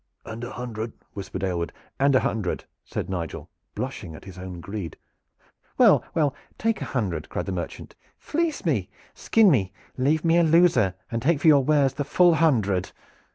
"And a hundred," whispered Aylward. "And a hundred," said Nigel, blushing at his own greed. "Well, well, take a hundred!" cried the merchant. "Fleece me, skin me, leave me a loser, and take for your wares the full hundred!"